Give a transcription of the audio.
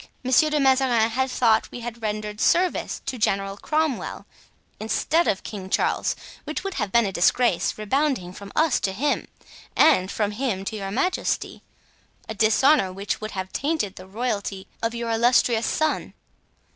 Monsieur de Mazarin had thought that we had rendered service to General Cromwell, instead of King Charles, which would have been a disgrace, rebounding from us to him, and from him to your majesty—a dishonor which would have tainted the royalty of your illustrious son.